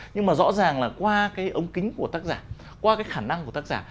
nhưng mà rõ ràng là qua cái ống kính của tác giả qua cái khả năng của tác giả